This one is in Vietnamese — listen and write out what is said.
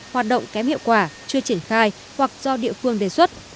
hoạt động kém hiệu quả chưa triển khai hoặc do địa phương đề xuất